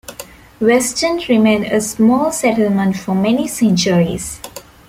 Weston remained a small settlement for many centuries.